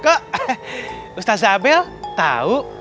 kok ustadz zabel tahu